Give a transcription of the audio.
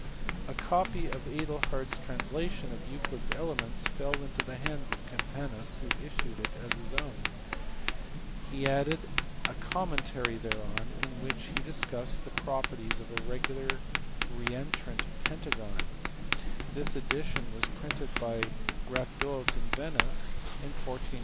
A copy of Adelhard s translation of Euclid s Elements fell into the hands of Campa nus, who issued it as his own *; he added a commentary thereon in which he discussed the properties of a regular re entrant pentagon : this edition was printed by Ratdolt at Venice in * On this work see J. L.